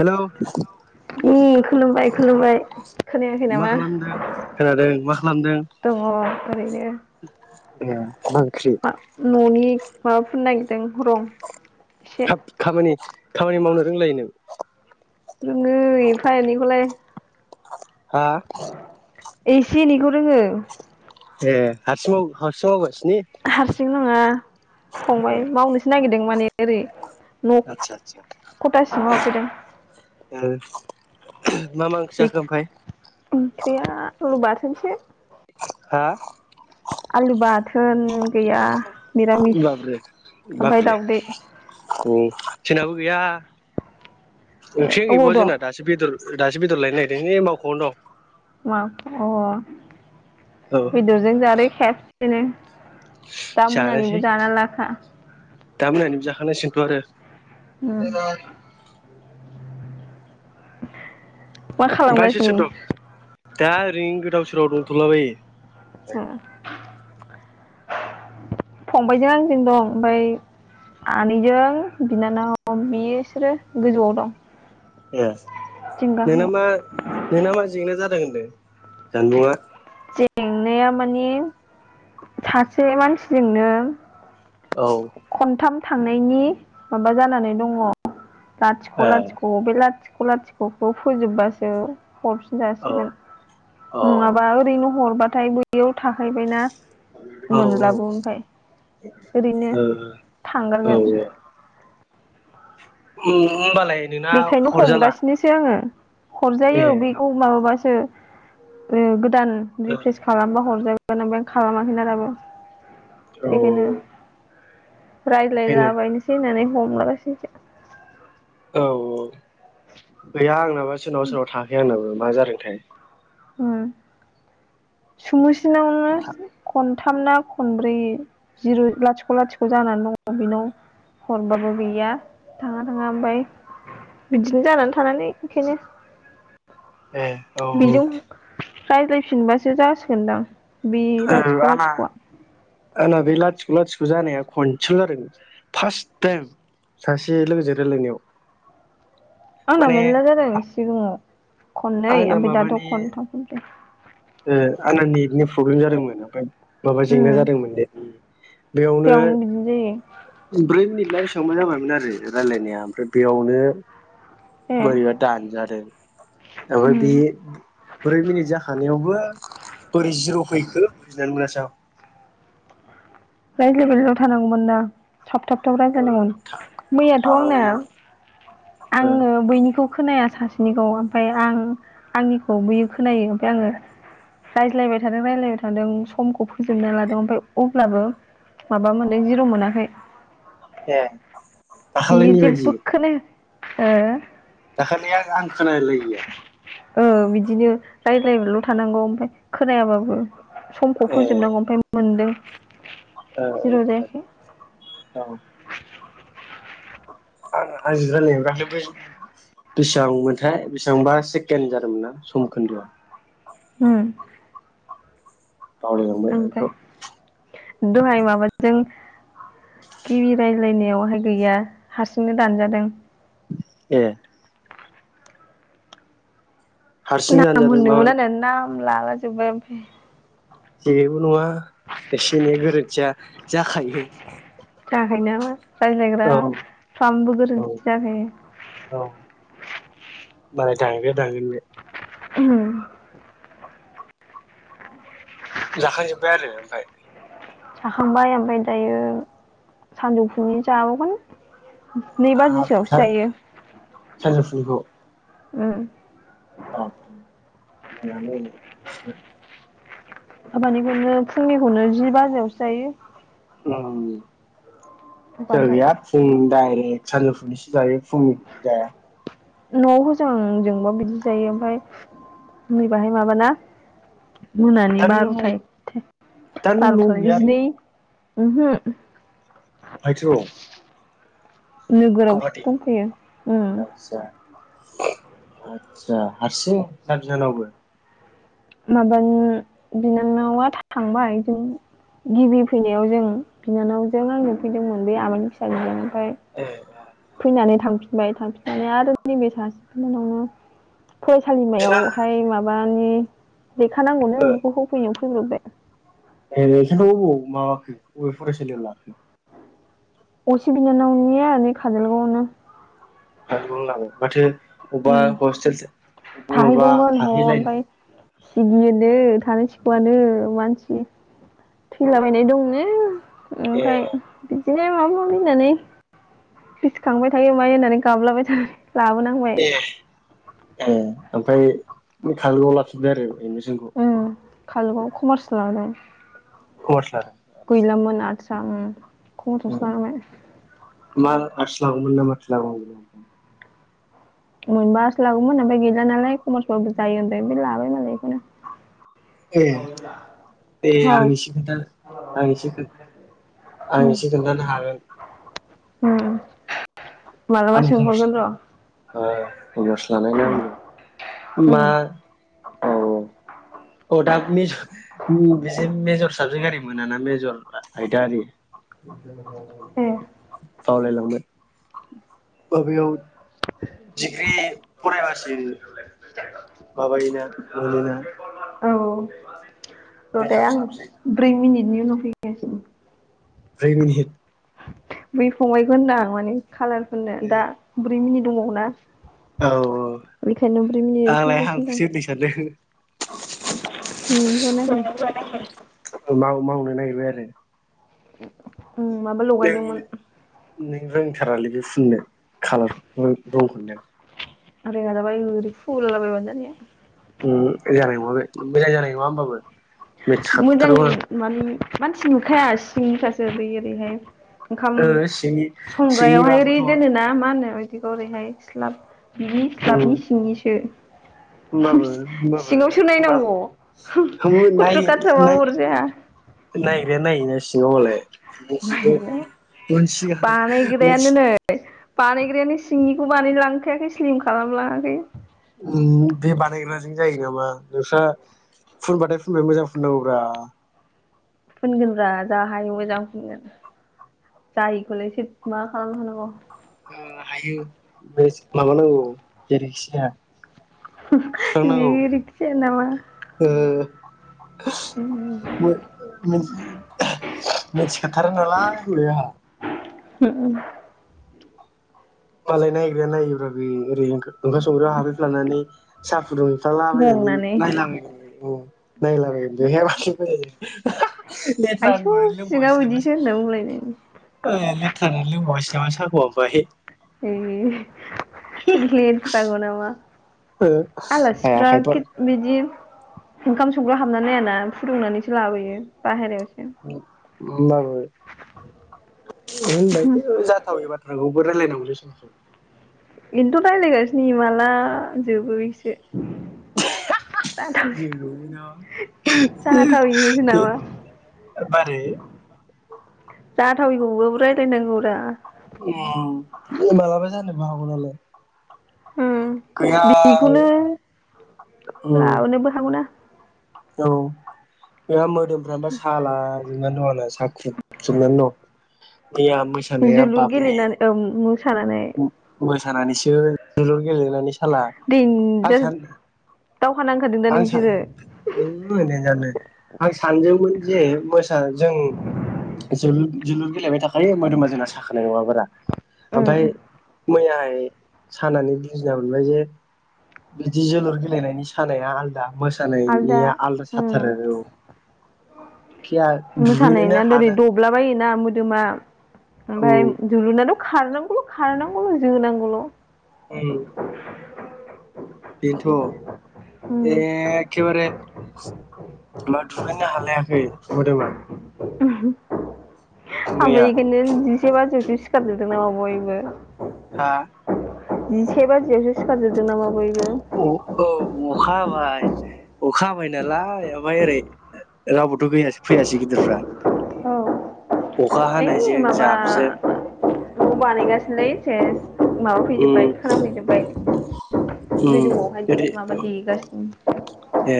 Hello खुलुमबाय खुलुमबाय खोनायाखै मा नामा खालामदों खोनादों मा खालामदों? दङ ओरैनो [unintelligible] मा न'नि माबा फुननो नागिरदों रं एसे हाब खामानि-खामानि मावनो रोंलायोनों? रोङो एफा एनैखौलाय [inaudible] हा एसे एनैखौ रोङो ए हरसिं हरसिं मावगोन हारसिं नङा फंबाय ए मावनोसो नागिरदों माने एरै आतसा आतसा [unintelligible] मा मा ओंख्रि ए जाखो ओमफ्राय ओंख्रिया ओ बा थोनसो हा आलु बाथोन गैया मिरामिस बाब्रे ओमफ्राय बाब्रे दाउदै उम जोंनाबो गैया ए ओंख्रि अबाव गैबावा दं जोंना दासो बेदर दासो बेदर लायनो नायदों ऐ मावख'आवनो दं मा अ दं औ बेदरजों जादो खेब सेनो दा जानोसै मोनानिबो जाना लाखा दा मोनानिबो जाखानांसिगोनथ' उम आरो [inaudible] मा ओमफ्राय सोर खालामगासिनो सोर दं दा ओरैनो गोदाव सो [unintelligible] दंथ'लाबायो। हो फंबायजों आंजों दं ओमफ्राय आनैजों बिनानाव बिसोरो गोजौआव दं। ए जों नोंना गाहायाव मा नोंना मा जेंना जादों होन दे जानबुङा जेंनाया माने सासे मानसिजोंनो औ खनथाम थांनायनि माबा जानानै दङ। लाथिख' ए लाथिख' बे लाथिख लाथिख'खो फोजोबबासो हरफिन औ जाासिगोन औ नङाबा ओरैनो हरबा थाय बैयाव थाहैबायना। औ मोनलाबो ओमफ्राय ओरैनो औ थांगारगोन होमबालाय नोंना बेखायनो हरजाला हमगासिनोसो आङो। ए हरजायो बेखौ माबाबा सो ओ दान औ रिफ्रेस खालामबा हरजा [unintelligible] खालामाखैना दाबो। औ बेखायनो बेखायनो रायज्लायलाबायायनोसै होननानै। ममारासैसो औ औ गैया आंनाबा सोरनावा सोरनावा थाखै आंनाबो मा जादों थाय हम [unintelligible] बिनावनो खन थाम ना खनब्रै जिर' लाथिख' लाथिख' जानानै दङ बेनाव हरबाबो गैया थाङा थाङा ओमफ्राय बिदिनो जानानै थानानै बेखायनो। ए औ रायज्लायफिनबासो जासिगोनदां। बि औ लाथिख आंना लाथिखवा आंना बे लाथिख लाथिख जानाया खनसेल जादों फार्स्ट टाइम सासे लोगोजों रायलायनायाव आं ना माने मेलला जादों सिगाङाव खननै आमफाम दाथ खनथाम फैदों। ए आंना नेथनि प्रब्लेम जादोंमोन ओमफ्राय माबा जेंना उम जादोंमोन नेथनि बेयावनो बिदिनो जायो ब्रै मिनिट ना बेसेबांबा जाबायमोन आरो रायलायनाया ओमफ्राय बेयावनो ए बोरैबा दानजादों ओमफाय उम बे ब्रै मिनिट जाखा बेयावबो बोरै जिर फैखो बुजिनानै मोनासै आं राय्लायबायल थानांगौमोन ना। थाब थाबथाब ओ रानजानांगमोन मैयाथ आंनो थानांगौमोन ओ आङो बैनिखौ खोनाया सासेनिखौ ओमफफ्राय आं आंनिखौ बैयो खोनायो ओमफफ्राय आङो रायज्लायबाय थादों रायज्लायबाय थादों समखौ फोजोबना लादों ओमफफ्राय अब्लाबो माबा मोनदों जिर' मोनाखै ए बियो दाखालैनि जेबो बायदि खोनाया ओ। दाखालि आं आं खोनालायैआ। औ बिदिनो रायज्लायल' थानांगौ ओमफ्राय खोनायाबाबो। समखौ ए फोजोबनांगौ ओमफ्राय मोनदों। ओ जिर' ओ जायाखै ओ औ आजि जालाय दाख्लै बेसेबांमोनथाय बेसेबांबा सेकेण्ड जादोंमोन ना सम खोन्दोआ। हुम। बावलायलांबाय बेखौ ओमफ्राय दहाय माबाजों। गिबि राय्लायनायावहाय गैया हारसिंनो दानजादों। एह। हारसिं ना दानजादों माबा उनना [inaudible] लाला जोब्बाय ओमफ्राय। जेबो नङा। एसे एनै गोरोन्थिया जाखायो। जाहाय नामा? रायज्लायग्रा औ फामबो औ गोरोन्थि औ जाखायो। मालाय थां दांगोन। अम। जाखां जोब्बाय आरो ओमफाय जाखांबाय ओमफ्राय दायो सानजौफुनि जाबावगोन नै हाब बाजिसोआवसो सा- जायो उम बाब मानो हाबानिखौनो फुंनिखौनो जि बाजियावसो जायो उम बाहाय गैया फुंनि दाइरेक सानजुफुैसो जायो फुंनिनो जाया न'आव होजों आजोंबा बिदि जायो ओमफ्राय नैबाहाय माबाना मोनानि दा नों बार'था एकथा दा नों न'आव बार'था गैया आरो जिनै ओहो फायस नोगोराव सो दंफैयो उम आतसा हारसिं दा बिनानावबो माबा बिनानावा थांबाय जों गिबि फैनायाव जों बिनानावजों आंजों फैदोंमोन बे आबादनि फिसाजोजों ओमफ्राय एह नानै थांफिनबाय थांफिननानै आरो नैबे सासेनि न'आव बिना फरायसालिमायाव हाय माबा आंनि नेखानांगौनो ओ बिखौ होफैयो फोजोबबाय ए नोंथांआ अबाव माबाखो अबे फरायसालियाव लाखो असे बिनानावनिया नै खाजोलगावआवनो खाजालगाव आव लाबाय माथो अबा उम हस्टेलसो थाहैदोंमोन ह ओमफाय सिगियोनो थानो सिखुआनो मानसि थैलाबायनाय दंनो ए ओमफाय बिदि बे माबा माबि होननानै गोसोखांबाय थायो मायो होननानै गाबलाबाय थाबाय लाबोनांबाय ए ए ओमफाय खाजोलगावआव लाफिनबाय आरो एडमिसनखौ खालोगाव कमार्स लादों कमार्स लादों आदसा गैलामोन‌ आर्टस आं कमार्स आवसो लानांबाय। मा आर्टस् लागौमोनना माथो लाबावगौमोन ओमफ्राय मोनबा आर्ट्स लागौमोन ओमफ्राय गैला नालाय कमार्स बाबो जायो होनबाय ओमफ्राय लाबाय मालाय बेखौनो। ए दे आं औ एसे खोनथानो आं एसेखो आं उम एसे खोन्थानो हागोन उम मालाबा आं कमार्स सोंहरगोन र'। ओ कमार्स लानायना आंबो उम मा औ औ अ दा मेज' [unintelligible] मेजर साबजेक्टओरै मोनाना मेजर आयदारि ए बावलायलांबाय। अबेयाव डिग्रि फरायबासो माबायोना मोनोना औ रदे मेजर आं साबजेक्ट ब्रै मिनिट नि उनाव फैगासिनो। ब्रै मिनित बै फंबायखौ होनदां माने खालारफोननो औ दा ब्रै मिनिट दंबावो ना। औ बेखायनो ब्रै मिनिटआव आंलाय फैगासिनो हांखौसो दं होनदों सानदों। नोंखौ होनाखै माव मावनो नागिरबाय आरो। [inaudible] उम माबा नों लगायदोंमोन। नों रोंथारालै बे फुननो खाालार रं-रंखौदेन आं रोङा जाबाय ओरै फुललाबायबानो जानाया उम जानाय नङा बे मोजां जानाय नङा होमबाबो। मेट्स मोजां हाबथारगौ माने मानसि नुखाया सिंनिखासो। जेरै ओरैहाय ओंखाम आं सिंनि संग्रायावहाय ओरै सिंनिबाबोथ' दोनोना मा होनो बेखौ बेखौ ओरैहाय स्लाब बिनि गाबनि सिंनिसो होमबाबो होमबाबो होमबाबो थांनि खुथ्रु-ख्राथ्रा बाबो अरजाया नायग्राया नायो ना सिङावहले आयो बानायग्रायानो नै बानायग्रायानो सिंनि बेखौ बानाय लांखायाखै स्लिम खालामलांआखै। उम बे बानायग्राजों जायो नामा नोंस्रा फुनबाथाय फुनबाय मोजां फुननांगौब्रा। जाहायो मोजां फुनगोन जायैखौलाय सोर मा खालामनो हानांगौ। उम हायो बे माबानांगौ जेरैखिजाया। जेरैखि जाया नामा [unintelligible] मिनथिखाथारो नालाय फैबाय आंहा। [unintelligible] मालाय नायग्राया नायोब्रा बे ओरै ओंखाम संग्रायाव हाबैफ्लानानै साब फुदुंहैफ्लालाबायनानै गंनानै नायलां नायला बायो। [unintelligible] [unintelligible] लेथ्रा आइसौ होनानै सिङाव लोंबावासै नामा बिदिसो होनना बुंलायनायनि आसोल ओ लेथ्रा होनानै [unintelligible] साखौ ओमफ्राय [unintelligible] [unintelligible] नामा। ओ हाया आलासिफ्रा खायफा खि बिदि ओंखाम संग्रा हाबनानै नायाना फुदुंनानैसो लाबोयो बाहेरा [unintelligible] होनबाबो होनबाय जाथावै बाथ्राखौ। बोरायलाय नांगौलै सम सम। बेनोथ' रायज्लायगासिनो माला जोबो इसो। जाथाविखौसो नामा [unintelligible] दोननांगौ रा। अ मालाबा जानोबो हागौ नालाय। उम गैया बेखौनो [unintelligible] लाबोनोबो हागौना औ बेया मो मोदोमफ्रा साला जोंनानै दं। [unintelligible] साख्रुब जोबनानै दं। मैया मोसानाया जोलुर बाब्रे गेलेनानै ओम मो मोसानानैसो जोलुर गेलेनानै। साला देनजार दावहा नांखादों दा आं नोंसोरो सान [unintelligible] जे मोसा जों जुलुर जोलुर गेलेबाय थाखायो मोदोमा जोंना साखानाय नङा बारा। ओमफाय उम मैयाहाय सानानै बुजिना मोनबाय जे बिदि जोलुर गेलेनायनि सानाया आलदा। आलदा मोसानायनिया आलदा साथारो उम आरो औ खिया दुगैनोनो हानो दोमा औ ओमफाय जोलुर नाथ खारनांगौल' खारनांगौल' जोनांगौल' उम बेन्थ' उम एखेबारे मा दुगैनो हालायाखै मोदोमा [unintelligible] आबो मैया इखोनो जिबा [unintelligible] सिखारजोबदों नामा बयबो? हा जिसे बाजियावसो सिखारजोबदों नामा बयबो? औ अखा हाबाय अखा हाबाय नालाय ओमफ्राय ओरै रावबोथ' गैया फैयासै गिदिरफ्रा। औ अखा [unintelligible] हानायजों माबा जाबजों न' बानायगासिनोलै सेस माबाफैजोब्बाय उम खोनाफैजोबबाय। उम गोजौ आवहाय ओरै माबा देगासिनो। ए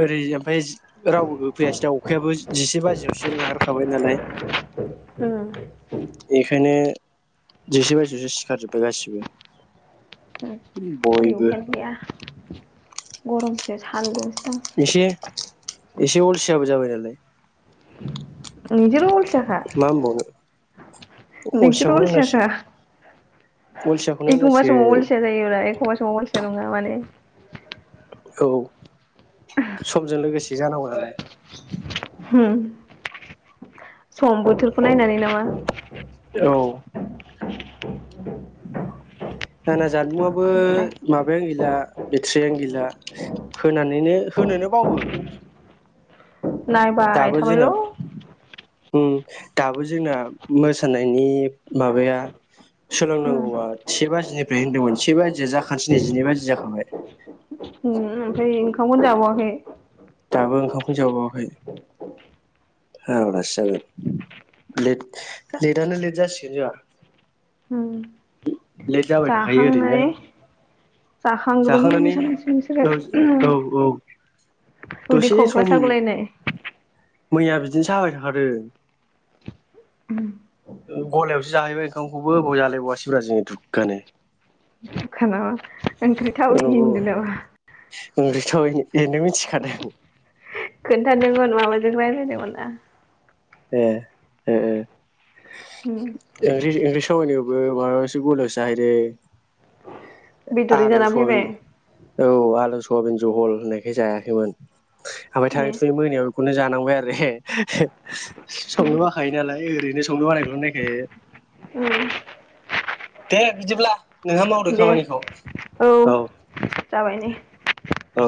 ओरै [unintelligible] रावबो बो फैयासै दा अखायाबो जिसे बाजियावसो नागारखाबाय नालाय। उम बेखायनो जिसे बाजियावसो सिखारजोब्बाय गासिबो। ओरै बयबो अखा यानो गैया। गरमसो सान्दुं एसे एसे उलसाबो जाबाय [unintelligible] [unintelligible] र अलसियाखा मा होनबावनो निजोर अलसियाखौनो अलसियाखा होनांसिगोन अलसियाखौनो एखमबा समाव होनांसिगोन अलसिया जायोब्ला एखमबा समाव अलसिया अलसिया नङा माने औ समजों लोगोसे जानांगौ नालाय। होम सम बोथोरखौ नायनानै नामा? औ [inaudible] न [unintelligible] जानबुंआबो ओमफ्राय माबायानो गैला बेथारियानो गैला होनानो होनो बावो। नायबा आ दाबो जोंना थाबायल'। उम दाबो जोंना मोसानायनि माबाया सोलोंनांगौआ ओमफ्राय से बाजिनि ओमफ्राय होनदोंमोन से बाजि जाखानोसै नै जिनै बाजिया जाखाबाय! ओमफ्राय ओंखामखौनों जाबावाखै। दाबो ओंखामखौनो जाबावाखै। औलासि जागोन लेट लेटानो लेट जासिगोन जों लेट जाबाय थाखायो ओरैनो। जाखांनानै जाखांग्रोमोन जाखांनानै मोस मस बिसोरो औ औ औ उदि दसे खंख्ला सम सागलाय। मैया बिदिनो साबाय थाखादो गलायावसो जाहैबाय ओंखामखौबो बेयाव जालाय बावासै जोङो दुग्गानो खानामा। ओंख्रि थाउयैनि होनदोंनामा। मोनबेसे थाबाय नोंनो मिथिखादों। खोन्थादोंमोन माबाजों रायज्लायदोंमोन ना। ए ए ए। इंलि-इंलिसाव ओनो उम माबासो बयलारसो जाहैदों। बेदरै आलु जाना सवाबिन फैबाय औ आलु स वाबिन जहल होननायखाय जायाखैमोन। ओमफ्राय ए थाङै थुङै मोनायाव बेखौनो जा नांबाय आरो। संनो बाखायो नालाय ओरैनो संनो बानायखौल' नायखायो। उम। दे बिदिब्ला। नोंहा मावदो दे खामानिखौ औ जाबाय नै। औ।